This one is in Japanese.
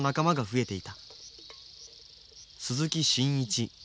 鈴木伸一。